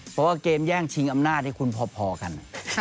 เพราะว่าเกมแย่งชิงอำนาจที่คุณพอกัน